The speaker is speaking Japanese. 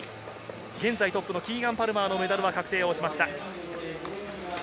現在トップのキーガン・パルマーのメダルは確定しました。